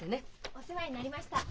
お世話になりました。